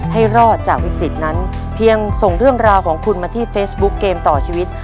ให้รอดจากวิกฤตนั้นเพียงส่งเรื่องราวของคุณมาที่เฟซบุ๊คเกมต่อชีวิต